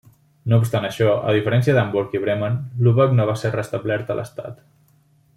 No obstant això, a diferència d'Hamburg i Bremen, Lübeck no va ser restablerta a l'estat.